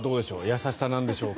優しさなんでしょうか。